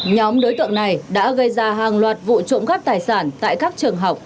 nhóm đối tượng này đã gây ra hàng loạt vụ trộm cắp tài sản tại các trường học